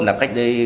là cách đây